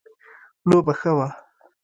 لوبه ښه وه